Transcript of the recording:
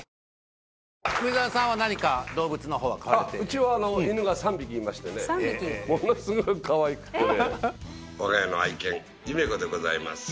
ウチは犬が３匹いましてねものすごくかわいくってね我が家の愛犬夢子でございます